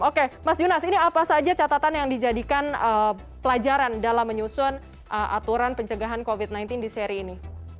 oke mas junas ini apa saja catatan yang dijadikan pelajaran dalam menyusun aturan pencegahan covid sembilan belas di seri ini